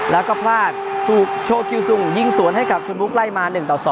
แล้วก็พลาดถูกโชคคิวซุงยิงสวนให้กับชนบุรีไล่มา๑ต่อ๒